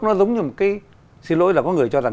nó giống như một cái xin lỗi là có người cho rằng